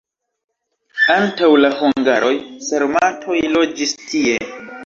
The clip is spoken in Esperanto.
Antaŭ la hungaroj sarmatoj loĝis tie.